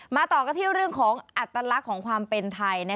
ต่อกันที่เรื่องของอัตลักษณ์ของความเป็นไทย